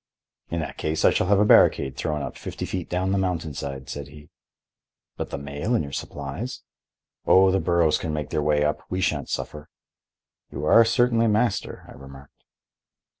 "In that case I shall have a barricade thrown up fifty feet down the mountain side," said he. "But the mail and your supplies?" "Oh, the burros can make their way up. We shan't suffer." "You are certainly master," I remarked.